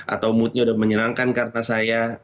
atau moodnya udah menyenangkan karena saya